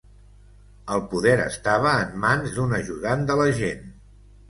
El poder estava en mans d'un ajudant de l'agent.